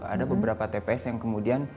ada beberapa tps yang kemudian